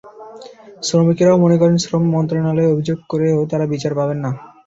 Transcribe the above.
শ্রমিকেরাও মনে করেন, শ্রম মন্ত্রণালয়ে অভিযোগ করেও তাঁরা বিচার পাবেন না।